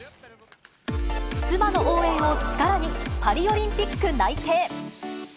妻の応援を力に、パリオリンピック内定。